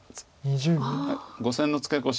５線のツケコシ。